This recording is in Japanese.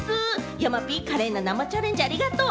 山Ｐ、華麗な生チャレンジありがとう！